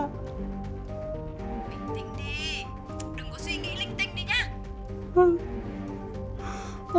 bình tĩnh đi đừng có suy nghĩ linh tinh đi nha